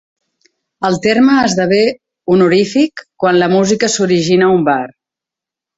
El terme esdevé honorific quan la música s'origina a un bar.